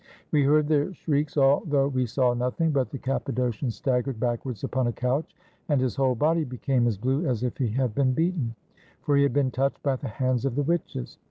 We heard their shrieks, although we saw nothing; but the Cappadocian staggered backwards upon a couch, and his whole body became as blue as if he had been beaten: for he had been touched by the hands of the witches.